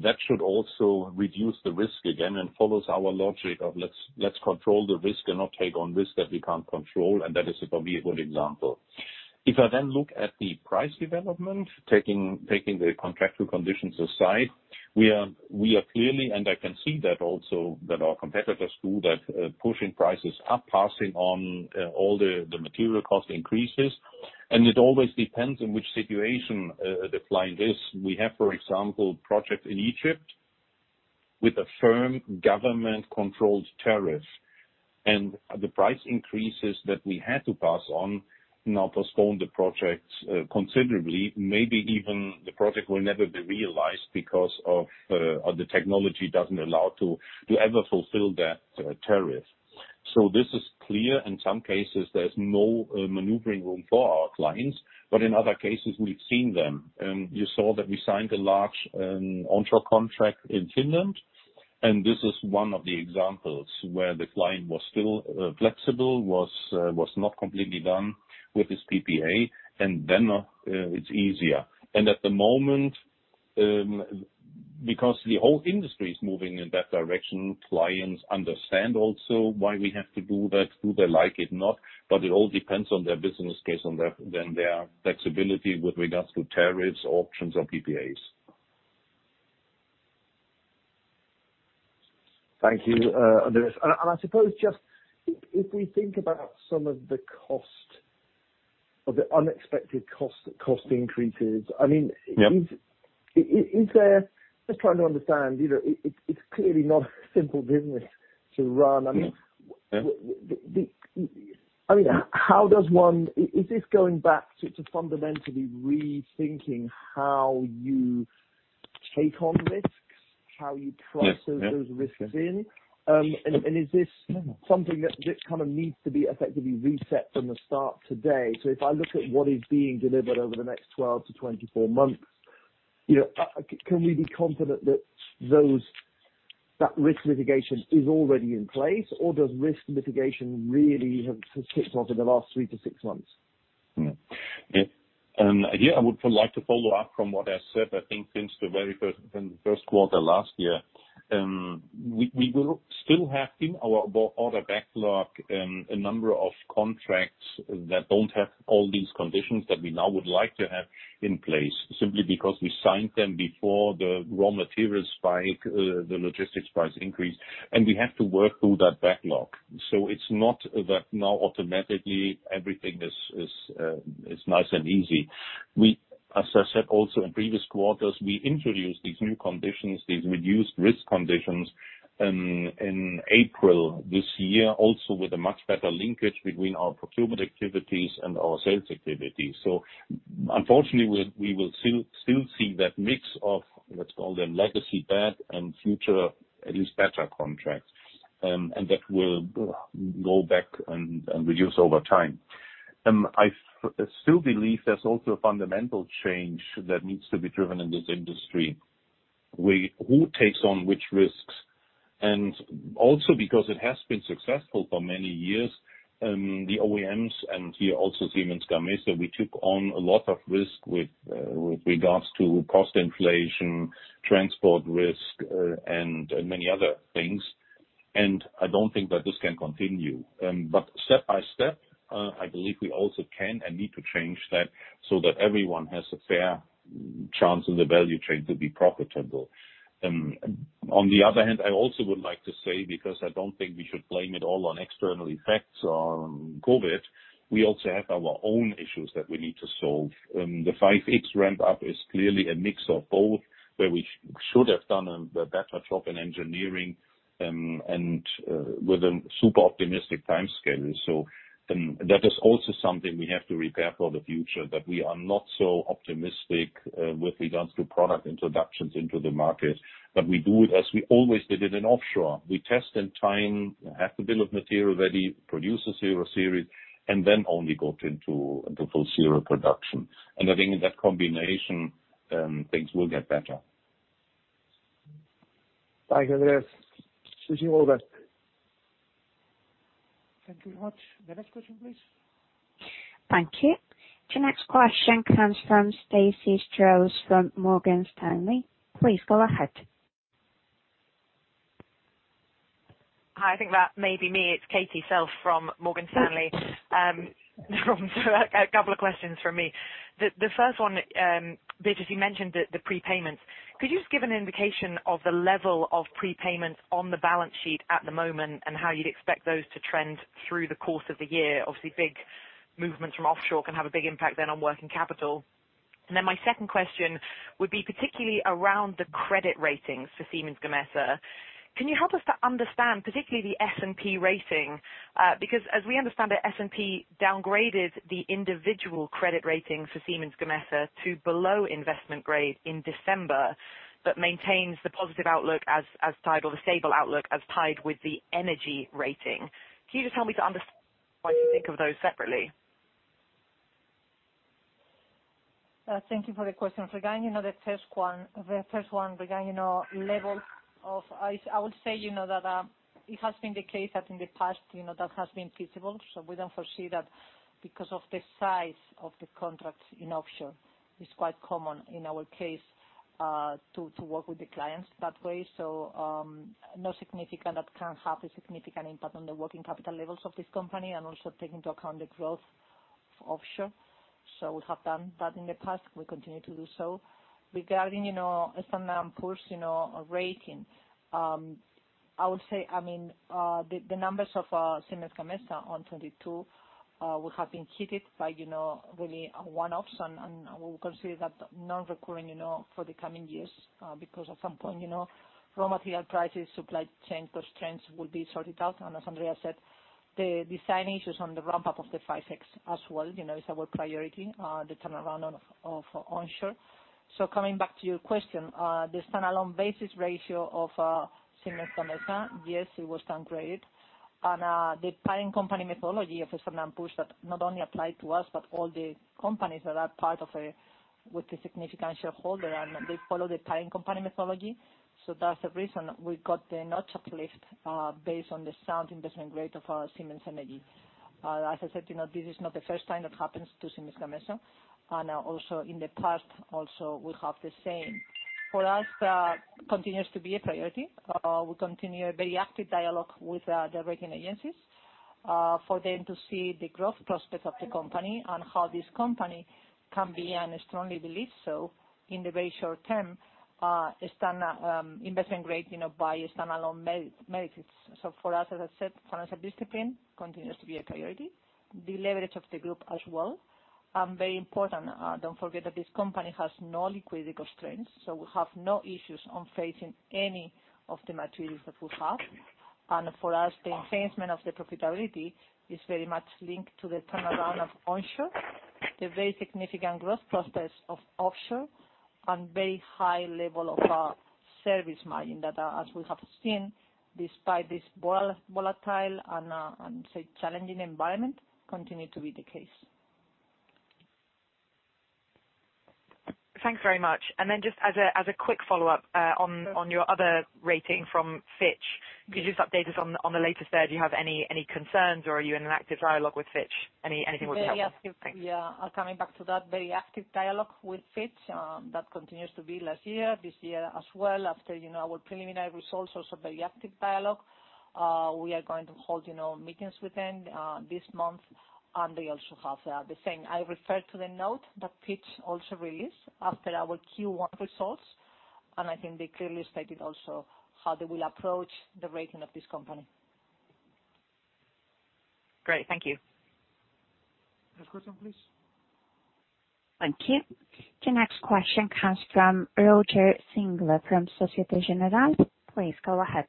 Speaker 4: That should also reduce the risk again and follows our logic of let's control the risk and not take on risk that we can't control, and that is probably a good example. If I then look at the price development, taking the contractual conditions aside, we are clearly, and I can see that also our competitors do that, pushing prices up, passing on all the material cost increases. It always depends on which situation the client is. We have, for example, project in Egypt with a firm government-controlled tariff. The price increases that we had to pass on now postpone the projects considerably. Maybe even the project will never be realized because of the technology doesn't allow to ever fulfill that tariff. This is clear. In some cases, there's no maneuvering room for our clients, but in other cases we've seen them. You saw that we signed a large onshore contract in Finland, and this is one of the examples where the client was still flexible, was not completely done with his PPA, and then it's easier. At the moment, because the whole industry is moving in that direction, clients understand also why we have to do that. Do they like it? Not. It all depends on their business case and their flexibility with regards to tariffs or options or PPAs.
Speaker 11: Thank you, Andreas. I suppose just if we think about some of the cost or the unexpected cost increases, I mean-
Speaker 4: Yeah.
Speaker 11: Just trying to understand. You know, it's clearly not a simple business to run.
Speaker 4: Yeah.
Speaker 11: I mean, is this going back to fundamentally rethinking how you take on risks, how you price?
Speaker 4: Yeah. Yeah
Speaker 11: Those risks in? Is this something that kind of needs to be effectively reset from the start today? If I look at what is being delivered over the next 12-24 months, you know, can we be confident that that risk mitigation is already in place, or does risk mitigation really have just kicked off in the last three to six months?
Speaker 4: Yeah, I would like to follow up from what I said. I think since the very first, from the first quarter last year, we will still have in our order backlog a number of contracts that don't have all these conditions that we now would like to have in place, simply because we signed them before the raw-materials spike, the logistics price increase, and we have to work through that backlog. It's not that now automatically everything is nice and easy. As I said also in previous quarters, we introduced these new conditions, these reduced risk conditions in April this year, also with a much better linkage between our procurement activities and our sales activities. Unfortunately, we will still see that mix of, let's call them legacy bad and future at least better contracts. That will go back and reduce over time. I still believe there's also a fundamental change that needs to be driven in this industry. Who takes on which risks, and also because it has been successful for many years, the OEMs, and here also Siemens Gamesa, we took on a lot of risk with regards to cost inflation, transport risk, and many other things. I don't think that this can continue. Step by step, I believe we also can and need to change that so that everyone has a fair chance in the value chain to be profitable. On the other hand, I also would like to say, because I don't think we should blame it all on external effects, on COVID, we also have our own issues that we need to solve. The 5.X ramp up is clearly a mix of both, where we should have done a better job in engineering, and with a super-optimistic time scale. That is also something we have to repair for the future, that we are not so optimistic with regards to product introductions into the market. We do it as we always did it in offshore. We test in time, have the bill of material ready, produce a zero series, and then only got into the full zero production. I think in that combination, things will get better.
Speaker 11: Thank you, Andreas. [Suse Robert].
Speaker 4: Thank you very much. The next question, please.
Speaker 6: Thank you. The next question comes from Katie Self from Morgan Stanley. Please go ahead.
Speaker 12: Hi. I think that may be me. It's Katie Self from Morgan Stanley. A couple of questions from me. The first one, Beatriz Puente, as you mentioned the prepayments, could you just give an indication of the level of prepayments on the balance sheet at the moment, and how you'd expect those to trend through the course of the year? Obviously, big movements from offshore can have a big impact then on working capital. My second question would be particularly around the credit ratings for Siemens Gamesa. Can you help us to understand particularly the S&P rating? Because as we understand it, S&P downgraded the individual credit rating for Siemens Gamesa to below investment grade in December, but maintains the positive outlook as tied, or the stable outlook as tied with the energy rating. Can you just help me to understand why you think of those separately?
Speaker 5: Thank you for the question. Regarding, you know the first one, regarding, you know, I would say, you know, that it has been the case that in the past you know that has been feasible so we don't foresee that because of the size of the contracts in offshore. It's quite common in our case to work with the clients that way. No single that can have a significant impact on the working capital levels of this company and also take into account the growth of offshore. We have done that in the past, we continue to do so. Regarding, you know, S&P, you know, rating, I would say, I mean, the numbers of Siemens Gamesa on 2022 will have been hit by, you know, really one-offs and we consider that non-recurring, you know, for the coming years, because at some point, you know, raw material prices, supply chain constraints will be sorted out. As Andreas said, the design issues on the ramp-up of the 5.X as well, you know, is our priority, the turnaround of onshore. Coming back to your question, the standalone-basis ratio of Siemens Gamesa, yes, it was downgraded. The parent company methodology of S&P that not only apply to us, but all the companies that are part of a, with a significant shareholder, and they follow the parent company methodology. That's the reason we got the notch uplift based on the sound investment grade of Siemens Energy. As I said, you know, this is not the first time that happens to Siemens Gamesa. Also in the past also we have the same. For us, that continues to be a priority. We continue a very active dialogue with the rating agencies for them to see the growth prospects of the company and how this company can be, and I strongly believe so, in the very short term, stand investment grade, you know, by standalone merits. For us, as I said, financial discipline continues to be a priority. The leverage of the group as well very important. Don't forget that this company has no liquidity constraints, so we have no issues on facing any of the maturities that we have. For us, the enhancement of the profitability is very much linked to the turnaround of onshore, the very significant growth process of offshore, and very high level of service margin that, as we have seen, despite this volatile and, say, challenging environment, continue to be the case.
Speaker 12: Thanks very much. Just as a quick follow-up on your other rating from Fitch, could you just update us on the latest there? Do you have any concerns or are you in an active dialogue with Fitch? Anything would be helpful. Thanks.
Speaker 5: Very active, yeah. Coming back to that, very active dialogue with Fitch that continues to be last year, this year as well. After you know, our preliminary results, also very active dialogue. We are going to hold you know, meetings with them this month, and they also have the same. I refer to the note that Fitch also released after our Q1 results, and I think they clearly stated also how they will approach the rating of this company.
Speaker 12: Great. Thank you.
Speaker 4: Next question, please.
Speaker 6: Thank you. The next question comes from [Roger Singla] from Société Générale. Please go ahead.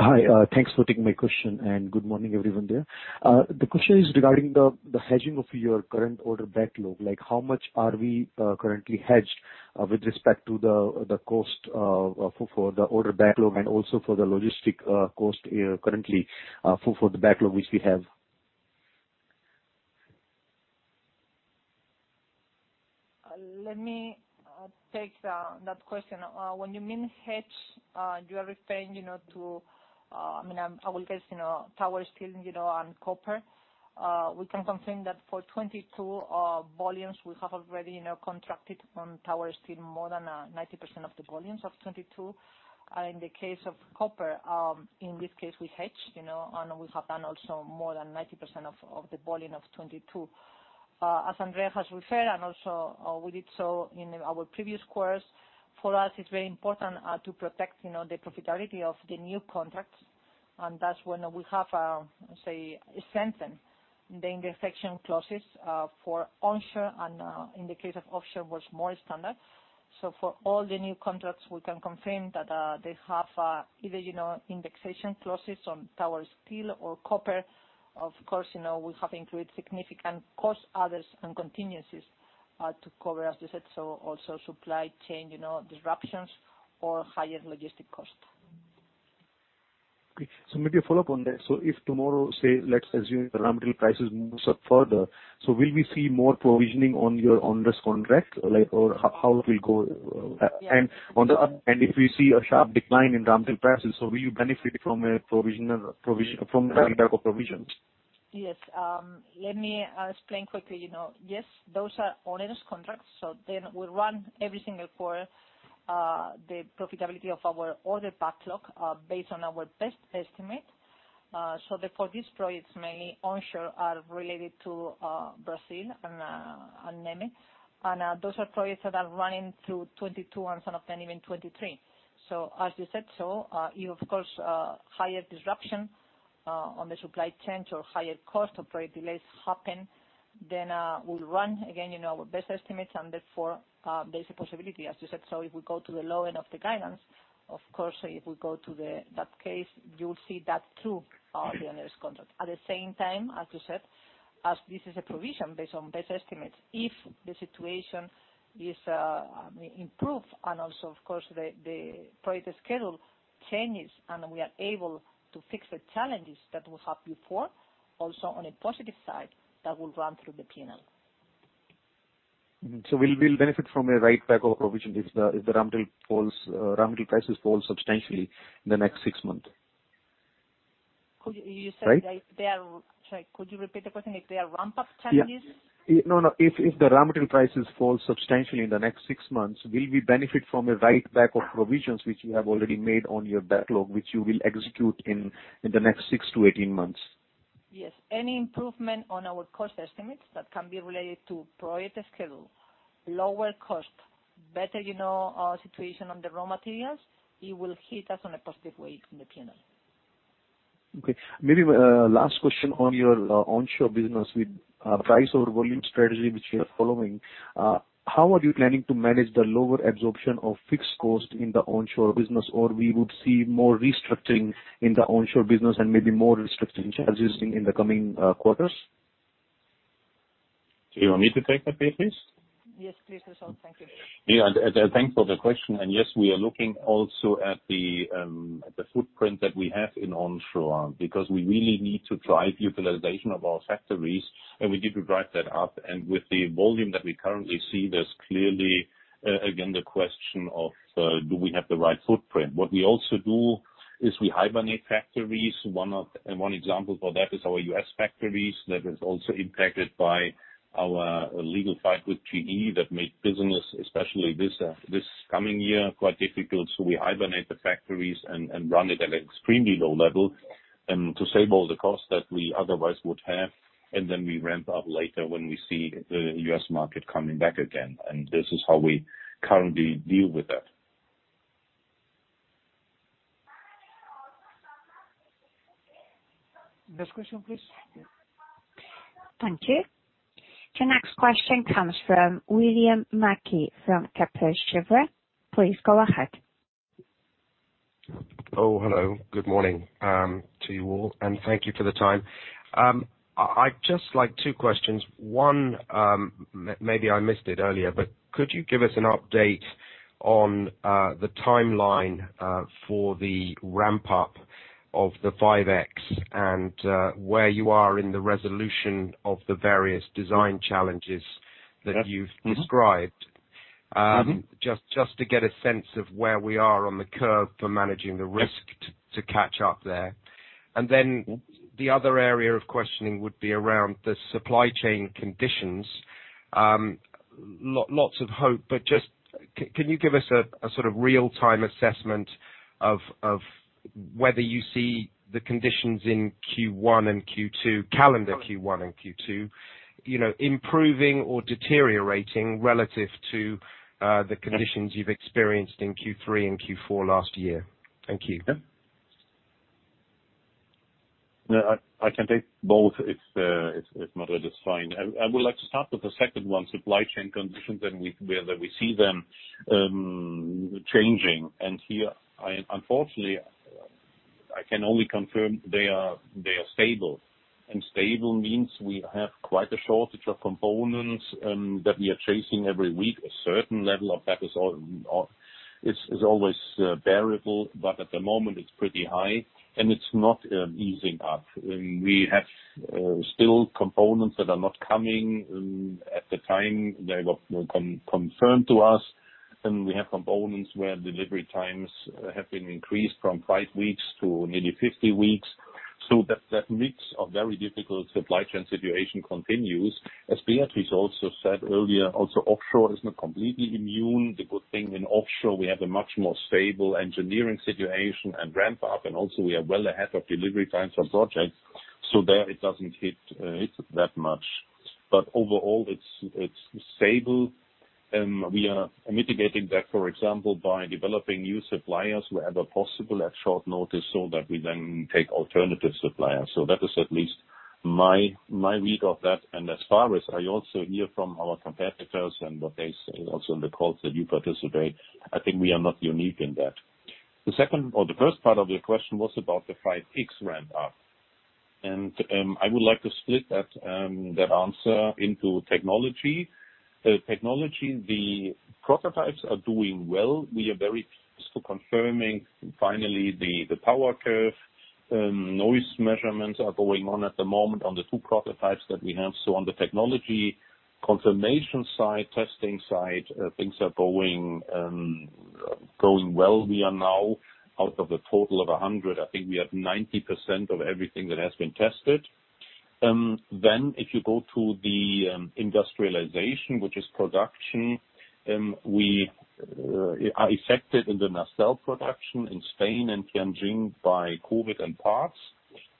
Speaker 13: Hi, thanks for taking my question, and good morning everyone there. The question is regarding the hedging of your current order backlog. Like, how much are we currently hedged with respect to the cost for the order backlog and also for the logistics cost currently for the backlog which we have?
Speaker 5: Let me take that question. When you mean hedge, you are referring, you know, to, I mean, I will guess, you know, tower steel, you know, and copper. We can confirm that for 2022 volumes, we have already, you know, contracted from tower steel more than 90% of the volumes of 2022. In the case of copper, in this case we hedged, you know, and we have done also more than 90% of the volume of 2022. As Andreas has referred, and also, we did so in our previous quarters, for us it's very important to protect, you know, the profitability of the new contracts. That's when we have, say, a sentence, the indexation clauses for onshore and, in the case of offshore, was more standard. For all the new contracts, we can confirm that they have either, you know, indexation clauses on tower steel or copper. Of course, you know, we have included significant cost buffers and contingencies to cover, as you said, so also supply chain, you know, disruptions or higher logistic costs.
Speaker 13: Okay. Maybe a follow-up on that. If tomorrow, say, let's assume the raw material prices moves up further, will we see more provisioning on your onerous contract? Like, or how it will go?
Speaker 5: Yeah.
Speaker 13: If we see a sharp decline in raw material prices, will you benefit from a provision reversal, from the impact of provisions?
Speaker 5: Yes. Let me explain quickly. You know, yes, those are onerous contracts. We run every single quarter the profitability of our order backlog based on our best estimate. These projects, mainly onshore, are related to Brazil and EMEA. Those are projects that are running through 2022 and some of them even 2023. As you said so, you of course higher disruption on the supply chains or higher cost of project delays happen, then we'll run again, you know, our best estimates and therefore there's a possibility, as you said. If we go to the low end of the guidance, of course, if we go to that case, you'll see that through the onerous contract. At the same time, as you said, as this is a provision based on best estimates, if the situation is improved and also of course the project schedule changes and we are able to fix the challenges that we had before, also on a positive side, that will run through the P&L.
Speaker 13: We'll benefit from a write back of provision if the raw material prices fall substantially in the next six months?
Speaker 5: You said.
Speaker 13: Right?
Speaker 5: Sorry, could you repeat the question, if they are ramp-up challenges?
Speaker 13: No. If the raw material prices fall substantially in the next six months, will we benefit from a write back of provisions which you have already made on your backlog, which you will execute in the next six to 18 months?
Speaker 5: Yes. Any improvement on our cost estimates that can be related to project schedule, lower cost, better, you know, situation on the raw materials, it will hit us on a positive way in the P&L.
Speaker 13: Okay. Maybe last question on your onshore business with price over volume strategy, which you are following. How are you planning to manage the lower absorption of fixed cost in the onshore business? Or we would see more restructuring in the onshore business and maybe more restructuring challenges in the coming quarters?
Speaker 4: Do you want me to take that, Beatriz?
Speaker 5: Yes, please, Andreas Nauen. Thank you.
Speaker 4: Yeah. Thanks for the question, and yes, we are looking also at the footprint that we have in onshore because we really need to drive utilization of our factories, and we need to drive that up. With the volume that we currently see, there's clearly again the question of do we have the right footprint? What we also do is we hibernate factories. One example for that is our U.S. factories that is also impacted by our legal fight with GE that make business, especially this coming year, quite difficult. We hibernate the factories and run it at an extremely low level to save all the costs that we otherwise would have, and then we ramp up later when we see the U.S. market coming back again. This is how we currently deal with that. Next question, please.
Speaker 6: Thank you. The next question comes from William Mackie from Kepler Cheuvreux. Please go ahead.
Speaker 14: Oh, hello. Good morning to you all, and thank you for the time. I'd just like two questions. One, maybe I missed it earlier, but could you give us an update on the timeline for the ramp up of the 5.X and where you are in the resolution of the various design challenges that you've described?
Speaker 5: Mm-hmm.
Speaker 14: Just to get a sense of where we are on the curve for managing the risk to catch up there. Then the other area of questioning would be around the supply chain conditions. Lots of hope, but just can you give us a sort of real-time assessment of whether you see the conditions in Q1 and Q2, calendar Q1 and Q2, you know, improving or deteriorating relative to the conditions you've experienced in Q3 and Q4 last year? Thank you.
Speaker 4: Yeah. No, I can take both if Manfred is fine. I would like to start with the second one, supply chain conditions and whether we see them changing. Here I am unfortunately, I can only confirm they are stable. Stable means we have quite a shortage of components that we are chasing every week. A certain level of that is always variable, but at the moment it's pretty high and it's not easing up. We have still components that are not coming at the time they got confirmed to us. We have components where delivery times have been increased from five weeks to maybe 50 weeks. That mix of very difficult supply chain situation continues. As Beatriz also said earlier, offshore is not completely immune. The good thing in offshore, we have a much more stable engineering situation and ramp up, and also we are well ahead of delivery times on projects. There it doesn't hit that much. Overall it's stable, we are mitigating that, for example, by developing new suppliers wherever possible at short notice so that we then take alternative suppliers. That is at least my read of that. As far as I also hear from our competitors and what they say also in the calls that you participate, I think we are not unique in that. The second or the first part of your question was about the 5.X ramp up. I would like to split that answer into technology. Technology, the prototypes are doing well. We are very close to confirming finally the power curve. Noise measurements are going on at the moment on the two prototypes that we have. So on the technology confirmation side, testing side, things are going well. We are now out of a total of 100, I think we have 90% of everything that has been tested. If you go to the industrialization, which is production, we are affected in the nacelle production in Spain and Tianjin by COVID and parts.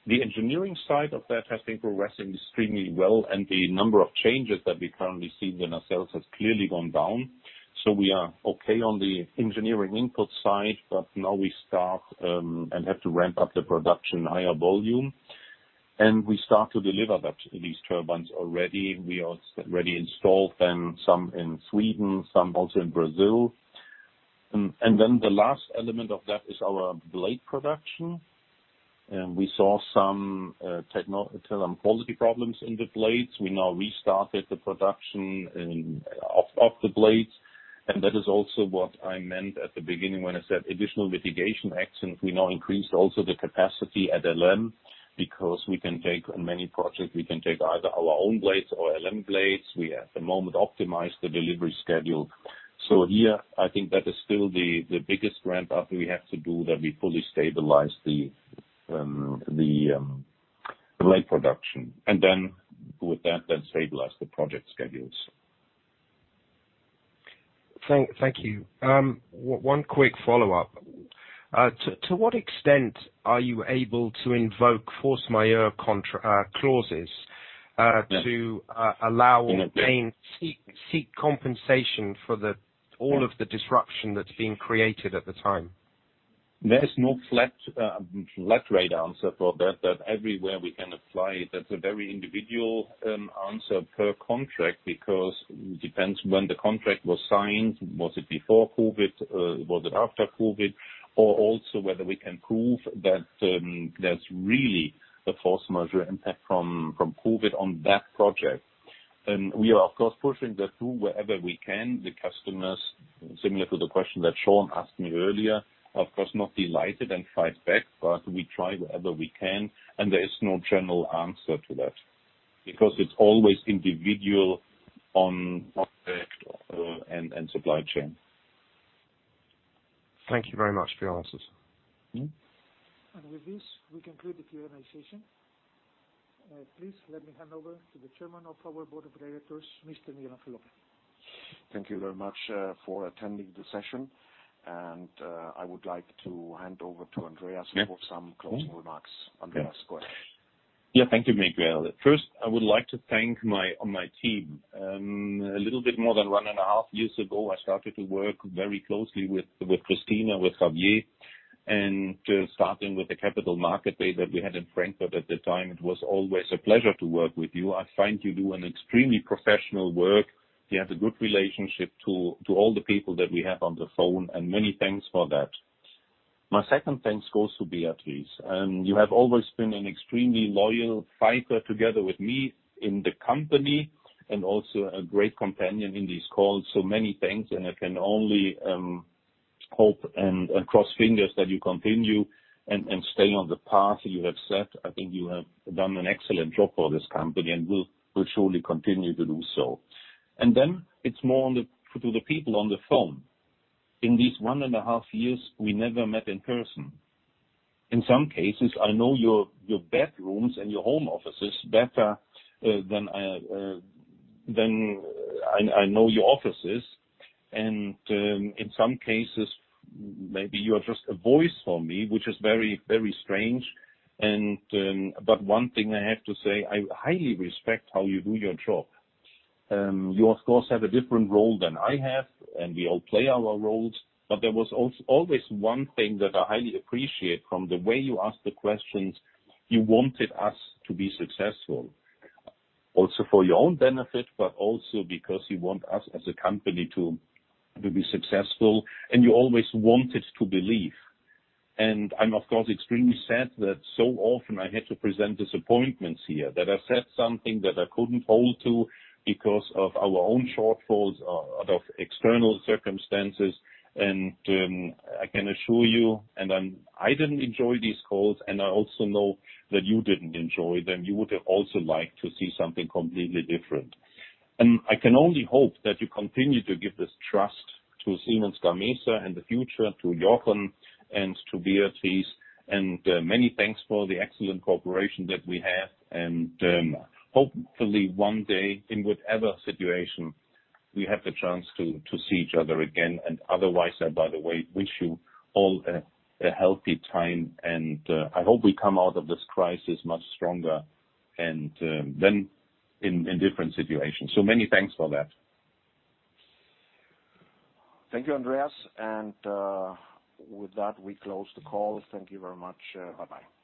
Speaker 4: The engineering side of that has been progressing extremely well, and the number of changes that we currently see in the nacelles has clearly gone down. We are okay on the engineering input side, but now we start and have to ramp up the production higher volume. We start to deliver these turbines already. We are already installed them, some in Sweden, some also in Brazil. Then the last element of that is our blade production. We saw some quality problems in the blades. We now restarted the production of the blades. That is also what I meant at the beginning when I said additional mitigation actions. We now increased also the capacity at LM, because on many projects we can take either our own blades or LM blades. We at the moment optimize the delivery schedule. Here I think that is still the biggest ramp up we have to do, that we fully stabilize the blade production. With that, stabilize the project schedules.
Speaker 14: Thank you. One quick follow-up. To what extent are you able to invoke force majeure clauses to claim compensation for all of the disruption that's being created at the time?
Speaker 4: There is no flat-rate answer for that everywhere we can apply. That's a very individual answer per contract because it depends when the contract was signed. Was it before COVID? Was it after COVID? Or also whether we can prove that there's really a force majeure impact from COVID on that project. We are of course pushing that through wherever we can. The customers, similar to the question that Sean asked me earlier, are of course not delighted and fight back, but we try wherever we can. There is no general answer to that because it's always individual on project and supply chain.
Speaker 14: Thank you very much for your answers.
Speaker 6: With this, we conclude the Q&A session. Please let me hand over to the Chairman of our Board of Directors, Miguel Ángel López.
Speaker 2: Thank you very much for attending the session. I would like to hand over to Andreas for some closing remarks. Andreas, go ahead.
Speaker 4: Yeah. Thank you, Miguel. First, I would like to thank my team. A little bit more than 1.5 years ago, I started to work very closely with Christina, with Javier, and starting with the Capital Markets Day that we had in Frankfurt at the time. It was always a pleasure to work with you. I find you do an extremely professional work. You have a good relationship to all the people that we have on the phone, and many thanks for that. My second thanks goes to Beatriz. You have always been an extremely loyal fighter together with me in the company and also a great companion in these calls. Many thanks, and I can only hope and cross fingers that you continue and stay on the path you have set. I think you have done an excellent job for this company, and will surely continue to do so. It's more to the people on the phone. In these 1.5 years, we never met in person. In some cases, I know your bedrooms and your home offices better than I know your offices. In some cases, maybe you are just a voice for me, which is very strange. One thing I have to say, I highly respect how you do your job. You of course have a different role than I have, and we all play our roles, but there was always one thing that I highly appreciate. From the way you ask the questions, you wanted us to be successful, also for your own benefit, but also because you want us as a company to be successful, and you always wanted to believe. I'm of course extremely sad that so often I had to present disappointments here that I said something that I couldn't hold to because of our own shortfalls or of external circumstances. I can assure you, I didn't enjoy these calls, and I also know that you didn't enjoy them. You would have also liked to see something completely different. I can only hope that you continue to give this trust to Siemens Gamesa, in the future to Jochen and to Beatriz. Many thanks for the excellent cooperation that we have. Hopefully one day in whatever situation, we have the chance to see each other again. Otherwise, I, by the way, wish you all a healthy time. I hope we come out of this crisis much stronger and then in different situations. Many thanks for that.
Speaker 2: Thank you, Andreas. With that, we close the call. Thank you very much. Bye-bye.